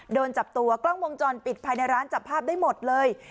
โดนจับตัวกล้องวงจรปิดภายในร้านจับภาพได้หมดเลย